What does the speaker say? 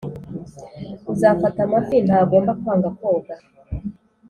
uzafata amafi ntagomba kwanga koga.